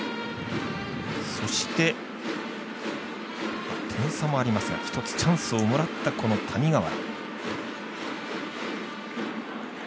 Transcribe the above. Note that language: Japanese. そして、点差もありますが一つ、チャンスをもらった谷川原。